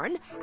あ。